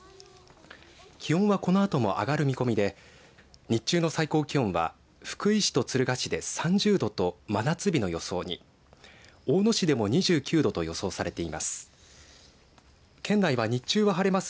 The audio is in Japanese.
気温はこのあともあがる見込みで日中の最高気温は福井市と敦賀市で３０度と真夏日の予想に大野市でも２９度と予想されています。